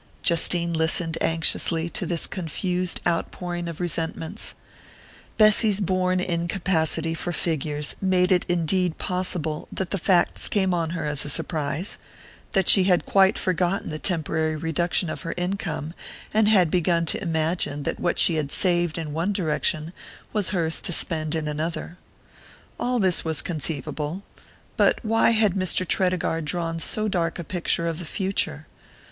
Justine listened anxiously to this confused outpouring of resentments. Bessy's born incapacity for figures made it indeed possible that the facts came on her as a surprise that she had quite forgotten the temporary reduction of her income, and had begun to imagine that what she had saved in one direction was hers to spend in another. All this was conceivable. But why had Mr. Tredegar drawn so dark a picture of the future?